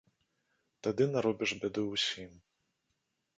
Тады наробіш бяды ўсім.